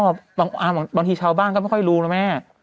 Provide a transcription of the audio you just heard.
บางทีชาวบ้านก็ไม่ค่อยรู้นะแม่